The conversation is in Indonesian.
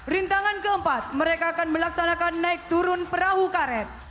rintangan keempat mereka akan melaksanakan naik turun perahu karet